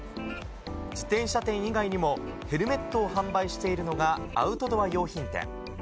自転車店以外にもヘルメットを販売しているのがアウトドア用品店。